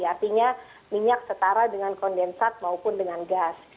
artinya minyak setara dengan kondensat maupun dengan gas